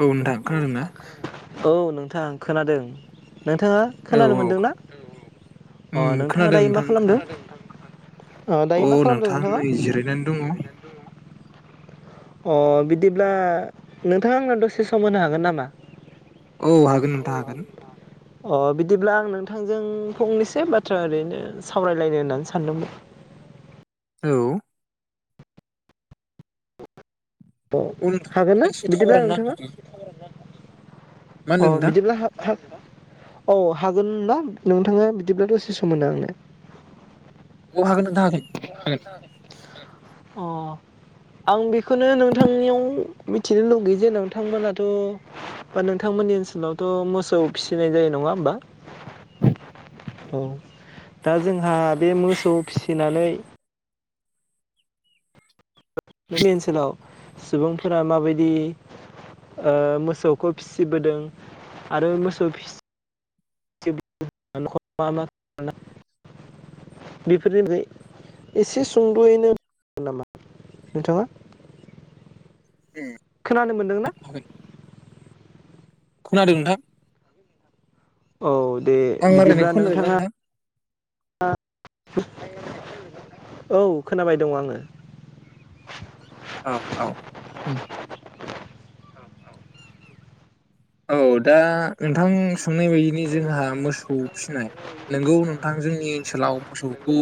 औ नोंथां खोनादों ना? औ नोंथां खोनादों। नोंथाङा औ खोनानो औ मोनदोंना? अ उम नोंथाङा खोनादों दायो मा नोंथां खालामदों? खोनादों। अ दायो मा खालामदों नोंथां नोंथाङा? नै जिरायनानै दङ। अ बिदिब्ला नोंथाङा आंनो दसे सम होनो हागोन नामा? औ हागन नों [unintelligible] अ बिदिब्ला आं नोंथांजों फंनैसो बाथ्रा ओरैनो सावरायलायनो होन्नानै सानदोंमोन। औ। अ औ हागोन ना नोंथां एसे बिदिब्ला टावारानो नोंथाङा? नांथादों। मा अ होनदों नोंथां? बिदिब्ला हा हा अ हा गोन ना नोंथाङा बिदिब्ला दसे सम होनो आंनो? अ' हागोन। नोंथां हागोन हागोन [inaudible] अ आं बेखौनो नोंथांनियाव मिथिनो लुगैयो जे नोंथांमोनाथ' बा नोंथांमोननि ओनसोलावथ' मोसौ फिसिनाय जायो न'ङा होमबा औ दा जोंहा बे मोसौ फिसिनानै [inaudible] नोंनि ओनसोलाव सुबुंफोरा माबायदि ओ मोसौखौ फिसिबोदों आरो मोसौ फिसि न'खराव मा मा खालामो बेफोरनिफ्राय एसे सुंद'यैनो हागोन नामा नोंथाङा? उम खोनानो मोनदोंना? हागोन। खोनादों नोंथां। औ। दे आं ओरैनो बिदिब्ला खनजागोन्ना नोंथाङा औ नोंथां? औ खोनाबाय दङ' आङो। औ औ उम। औ दा नोंथां साननाय बायदि नि जोंहा मोसौ फिसिनाय नोंगौ नों आं जोंनि ओनसोलाव मोसौखौ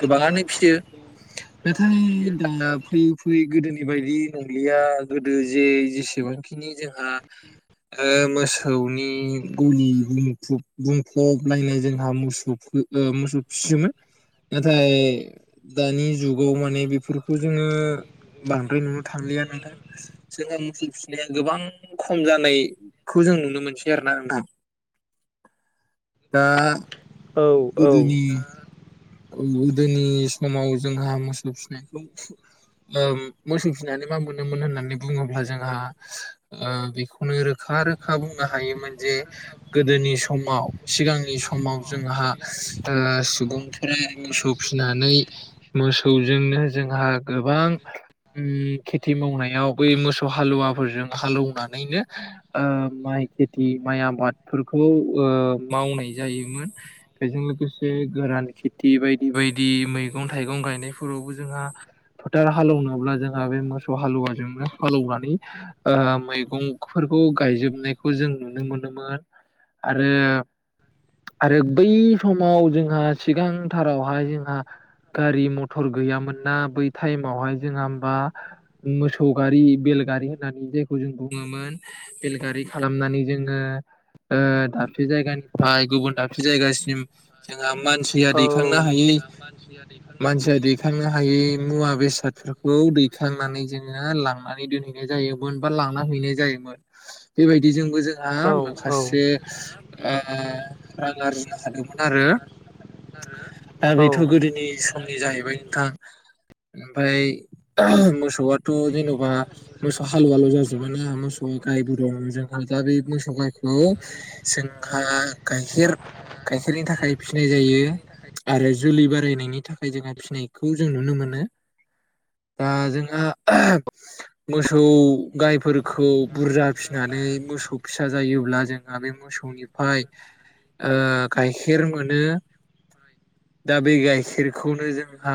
गोबांआनो फिसियो नोंथां जोंना फैयै फैयै गोदोनि बायदि नंलिया गोदो जे जेसेबांखिनि जोंहा ओ मोसौनि गुलि बुंफुब बुंफबलायनाय जोंहा मोसौखो मोसौ फिसियोमोन नाथाय दानि जुगाव माने बेफोरखौ जोङो बांद्राय नुनो थांलिया नोंथां जोंहा मोसौ फिसिनाया गोबां खम जानाय खौ जों नुनो मोनसै आरो ना नोंथां दा औ औ गोदोनि गोदोनि समाव जोंहा मोसौ फिसिनायखौ ओम मोसौ फिसिनानै मा मोनोमोन होननानै बुङोब्ला जोंहा ओ बेखौनो रो रोखा रोखा बुंनो हायोमोन जे गोदोनि समाव सिगांनि समाव जोंहा ओ सुबुंफोरा मोसौ फिसिनानै मोसौजोंनो जोंहा गोबां ओम खेथि मावनायाव बै मोसौ हालुवाफोरजों हालौनानैनो ओ माइ खेथि माइ आबादफोरखौ ओ मावनाय जायोमोन बेजों लोगोसे गोरान खेथि बायदि बायदि मैगं थाइगं गायनायफोरावबो जोंहा फोथार हालौवनोब्ला जोंहा बे मोसौ हालुवाजोंनो हालौनानै ओ मैगंफोर खौ गायजोबनायखौ जों नुनो मोनोमोन आरो आरो बै समाव जोंहा सिगांथारावहाय जोंहा गारि मथर गैयामोन ना बै टाइमावहाय जोंहा होमबा मोसौ गारि बेलगारि होननानै जायखौ जों बुङोमोन। बेलगारि खालामनानै जोङो ओ दाबसे जायगानिफ्राय गुबुन दाबसे जायगासिम जों ओम मानसिया दैखांनो हायै मानसिया दैखांनो हायै मुवा बेसाद फोरखौ दैखांनानै जोङो लांनानै दोनहैनाय जायोमोन बा लांना हैनाय जायोमोन। बेबायदिजोंबो जों जा जोंहा माखासे ओ रां आरजिनो हादोंमोन आरो दा औ बेथ' गोदोनिस फुंनि जाहैबाय नोंथां ओमफाय मोसौआथ' जेन'बा मोसौ हालुवाल' जाजोबो ना मोसौ गायबो दं जोंहा दा बे मोसौ गायखौ जोंहा गाइखेर गाइखेरनि थाखाय फिनाय जायो आरो जोलै बारायनायनि थाखाय जोंहा फिसिनायखौ जों नुनो मोनो दा जोंहा मोसौ गायफोरखौ बुरजा फिसिनानै मोसौ फिसा जायोब्ला जोंहा बे मोसौनिफ्राय ओ गाइखेर मोनो दा बे गाइखेरखौनो जोंहा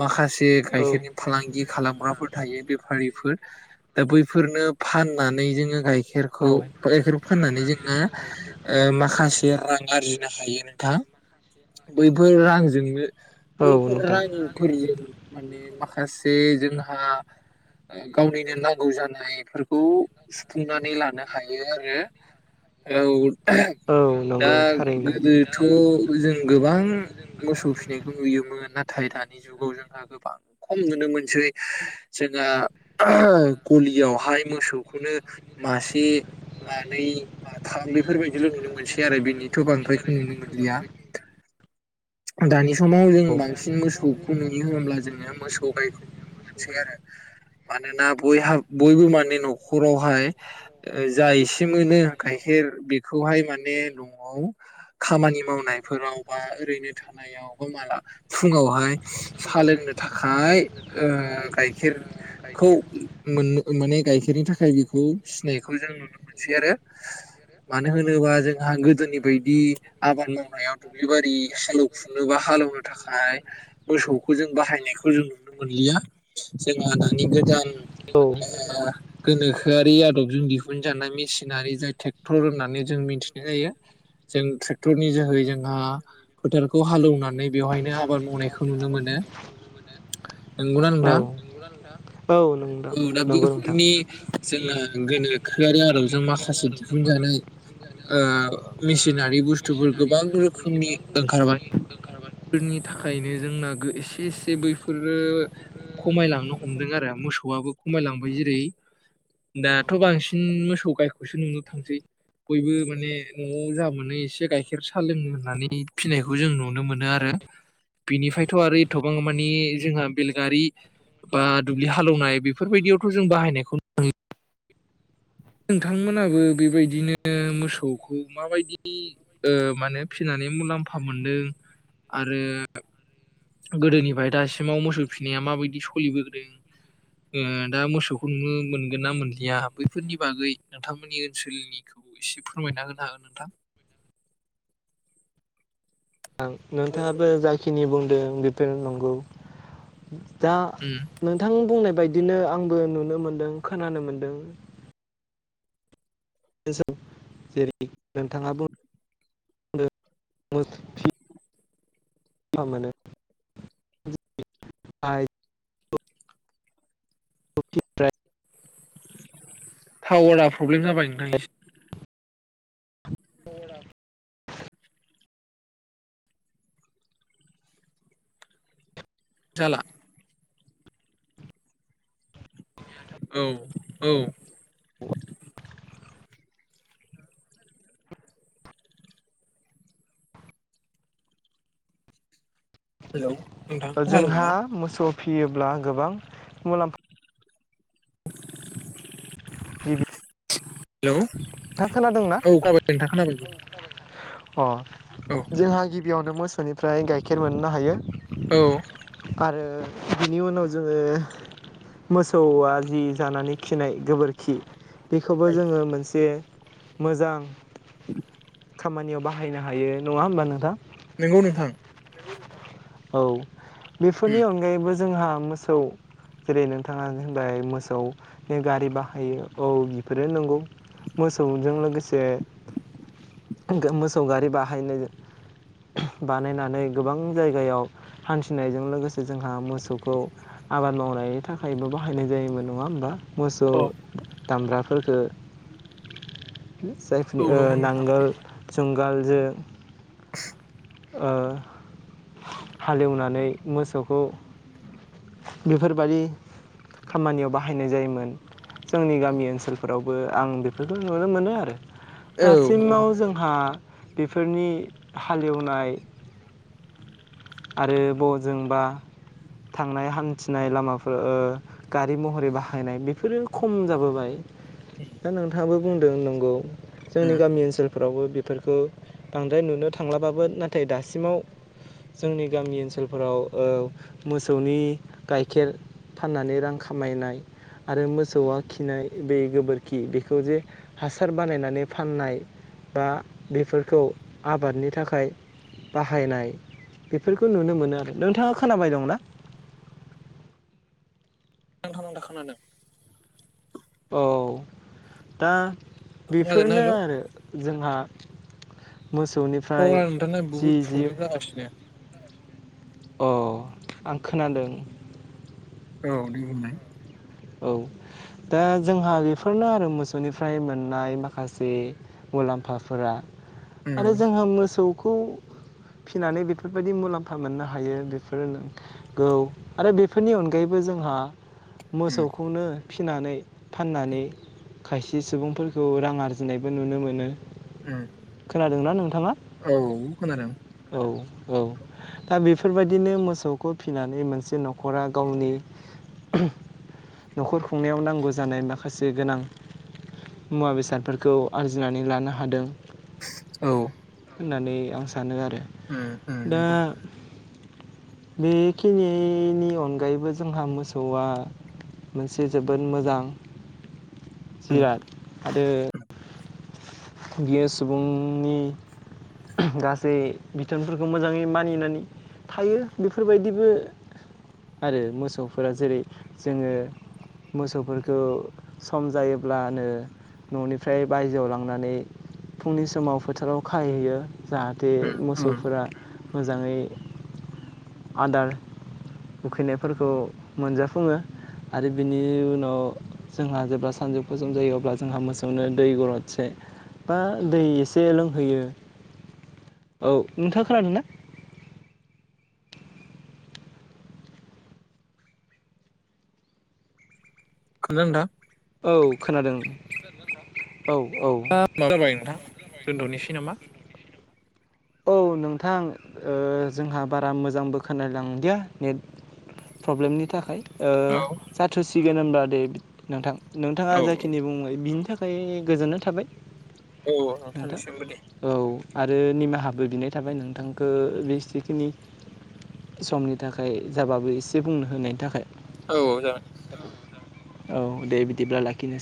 माखास से गाइखेरनि फालांगि खालामग्राफोर थायो बेफारिफोर दा बैफोरनो फान नानै जोङो गाइखेरखौ गायखेर फाननानै जोङो ओ माखासे रां आरजिनो हायो नोंथां बैफोर रांजोंनो जोङो औ बैफोर नोंथां रांफोर जों माने माखा माखासे जोंहा ओ गावनिनो नांगौ जानायफोरखौ सुफुंनानै लानो हायो आरो औ दा नंगौ थारैनो गोदोथ' जों गोबां मोसौ फिसिनायखौ नुयोमोन न नाथाय दानि जुगाव जोंहा गोबां खम नुनो मोनसै जोंहा गलियावहाय मोसौ नो मासे मानै माथाम बेफोरबायदिल' नुनो मोनसै आरो बेनिथ' बांद्रायखौ नुनो मोनलिया दानि समाव जों औ बांसिन मोसौखौ नुयो होनोमब्ला जोङो मोसौ गायखौ नुनो मोनसै आरो मानोना बयहा बयबो मान न नखरावहाय जा एसे मोनो गाइखेर बेखौहाय माने न'आव खामानि मावनायफोराव बा ओरैनो थानायाव बा माला फुङावहाय साहा लोंनो थाखाय गाइखेरखौ मोन माने गाइखेरनि थाखाय फथायायदिखौ फिनायखौ जों नुनो मोनसै आरो मानो होनोबा जोंहा गोदोनि बायदि आबाद मावनायाव दुब्लि बारि हालौफुनो बा हालौनो थाखाय मोसौखौ जों बाहायनायखौ जों नुनो मोनलिया जोंहा दानि गोदान औ ोनोखोआर आदबजों दिहुनजानाय मेसिनारि जाय ट्रेक्टर होननानै जों मिथिनाय जायो जों ट्रेक्टरनि जोहै जोंहा फोथारखौ हालौवनानै बेवहायनो आबाद मावनायखौ नुनो मोनो नोंगौना ना औ नोंथा औदा दोंथाम जोंहा गोनोखोआरि आदबजों माखासे दिहुनजानाय मेसिनारि बुस्थुफोर गोबां रोखोमनि ओंखारबाय बेनि थाखायनो जोंना एसे एसे बैफोरो खमायलांनो हमदों आरो मोसौआबो खमायलांबाय जेरै दाथ' बांसिन मोसौ गायखौसो नुनो थांसै बयबो माने न'आव जा मोनो एसे गाइखेर साहा लोंनो होननानै फिनायखौ जों नुनो मोनो आरो बिनिफ्रायथ' आरो एथ'बां मानिे जोंहा बेलगारि बा दुब्लि हालौवनाय बेफोरबायदियावथ' जों बाहायनायखौ नोंथांमोनाबो बेबायदिनो मोसौखौ माबायदि माने फिनानै मुलाम्फा मोनदों आरो गोदोनिफ्राय दासिमाव मोसौ फिसिनाया माबायदि सोलिबोदों दा मोसौखौ खुनो मोनगोन ना मोनलिया बैफोरनि बागै नोंथांमोननि ओनसोलनिखौ एसे फोरमायना होनो हागोन नोंथां ं नोंथाङाबो जाखिनि बुंदों बेफोर नंगौ दा उम नोंथां बुंनाय बेबायदिनो आंबो नुनो मोन्दों खोनानो मोनदों जेरै नोंथाङा ब म मा मोनो आइ [unintelligible] टावारा प्रब्लेम जाबाय नोंथांनि थरा सालला औ औ [inaudible] हेल' नोंथां जोंहा बुंला मोसौ फियोब्ला गोबां मुलाम्फा टिभि [inaudible] हेलौ औ गाबाय नोंथा खोनाबाय अ औ जों ग बेयावनो मोसौनिफ्राय गाइखेर मोननो हायो औ आरो बिनि उनाव जोङो मोसौआ जि जानानै खिनाय गोबोरखि बेखौबो जोङो मोनसे ज मोजां खामानियाव बाहायनो हायो नङा होमबा नोंथां? नंगौ नोंथां। औ बेफोरनि उम अनगायैबो जोंहा मोसौ जेरै नोंथाङा होमबाय मोसौनि गारि बाहायो औ बेफोरो नंगौ मोसौजों लोगोसे मोसौ गारि बाहायनो बानायनानै गोबां जाय गायाव हान्थिनायजों लोगोसे जोंहा मोसौखौ आबाद मावनायनि थाखायबो बाहायनाय जायोमोन नङा होमबा? मोसौ औ दामब्रा फोरखो जायफोरनि औ नंगौ नोंथां नांगोल जंगालजों [inaudible] हालेवनानै मोसौखौ बेफोरबादि खामानियाव बाहायनाय जायोमोन जोंनि गामि ओनसोलफोरावबो आं बेफोरखौ नुनो मोनो आरो। औ नंगौ दासिमाव नोंथां जोंहा बेफोरनि हालेवनाय आरो बजोंबा थांनाय हान्थिनाय लामाफोरा गारि महरै बाहायनाय बेफोरो खम जाबोबाय उम दा नोंथाङाबो बुंदों नंगौ जोंनि उम गामि ओनसोल फोरावबो बेफोरखौ बांद्राय नुनो थांलाबाबो नाथाय दासिमाव जोंनि गामि ओनसोलफोराव मोसौनि गाइखेर फाननानै रां खामायनाय आरो मोसौआ खिनाय बे गोबोरखि बेखौ जे हासार बानायनानै फाननाय बा बेफोरखौ आबादनि थाखाय बाहायनाय बेफोरखौ नुनो मोनो आरो नोंथाङा खोनाबाय दंना? नांथा नांथा खोनादों। औ दा खोनादोंना बेफोरनो हेलौ आरो जोंहा मोसौनिफ्राय टावारा नोंथांना जि बुहुद जि प्रब्लेम जागासिनो अ आं खोनादों। औ दे बुंलाय। औ दा जोंहा बेफोरनो आरो मोसौनिफ्राय मोननाय माखासे मुलाम्फाफोरा आरो उम जोंङो मोसौ खौ फिनानै बेफोरबायादि मुलाम्फा मोननो हायो बेफोर नंगौ आरो बेफोरनि अनगायैबो जोंहा उम मोसौखौनो फिनानै फाननानै खायसे सुबुंफोरखौ रां आरजिनायबो नुनो मोनो। उम खोनादोंना नोंथाङा? औ खोनादों। औ औ दा बेफोरबायदिनो मोसौखौ फिनानै मोनसे न'खरा गावनि न'खर खुंनायाव नांगौ जानाय माखासे गोनां मुवा बेसादफोरखौ आरजिनानै लानो हादों औ होननानै आं सा नो आरो। उम उम दा नंगौ बेखिनिनि अनगायैबो जोंहा मोसौआ मोनसे जोबोद मोजां नोंथां उम जिराद आरो बियो सुबुंनि गासै बिथोनफोरखौ मोजाङै मानिनानै थायो बेफोरबायदिबो आरो मोसौफोरा जेरै जोङो मोसौफोरखौ सम जायोब्लानो न'निफ्राय बायजोआव लांनानै फुंनि समाव फोथाराव खाहैयो जाहाथे उम उम मोसौफोरा मोजाङै आदार उखैनायफोरखौ मोनजाफुङो आरो बिनि उनाव जोंहा जेब्ला सानजौ फु सम जायो अब्ला जोंहा मोसौनो दै गरदसे बा दै एसे लोंहोयो औ नोंथाङा खोनादों ना खोनादों ना नोंथां औ खोनादों औ औ माबा जाबाय नोंथां दोनन्द'नोसै नामा औ नोंथां जोंहा बारा मोजांबो खोनालायलांदिया नेट प्रब्लेमनि थाखाय औ जाथ'सिगोन गोन होनबा दे नोंथां नोंथाङा औ जाखिनि बुंबाय बिनि थाखाय ओमफ्राय गोजोननाय थाबाय औ नोंथांनि नोंथां सिमबो दे आरो निमाहा बो बिनाय थाबाय नोंथांखौ बेसेखिनि समनि थाखाय जाबाबो एसे बुंनो होनायनि थाखाय औ जागोन औ दे बिदिब्ला लाखिनोसै